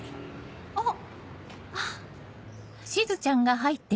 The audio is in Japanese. あっ。